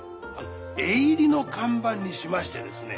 絵入りの看板にしましてですね